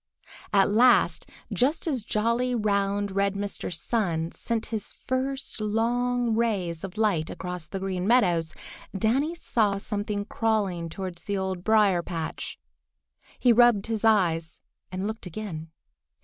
At last, just as jolly, round, red Mr. Sun sent his first long rays of light across the Green Meadows, Danny saw something crawling towards the Old Briar patch. He rubbed his eyes and looked again.